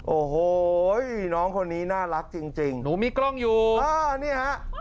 โอ้โหน้องคนนี้น่ารักจริงหนูมีกล้องอยู่อ่านี่ฮะ